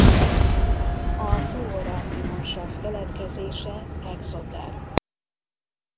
A fluor-antimonsav keletkezése exoterm.